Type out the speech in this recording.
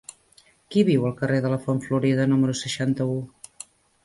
Qui viu al carrer de la Font Florida número seixanta-u?